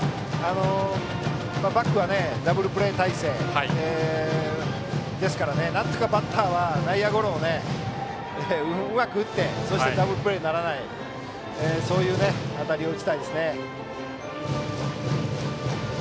バックはダブルプレー態勢ですからなんとかバッターは内野ゴロをうまく打ってダブルプレーにならない当たりを打ちたいですね。